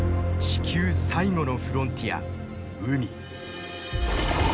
地球最後のフロンティア海。